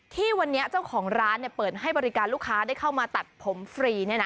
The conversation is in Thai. ที่วันนี้เจ้าของร้านเปิดให้บริการลูกค้าได้เข้ามาตัดผมฟรี